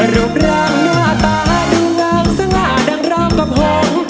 รูปร่างหน้าตาดูงามสง่าดังราวกับผม